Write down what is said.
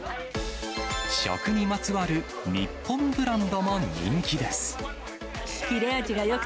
食にまつわる日本ブランドも人気です。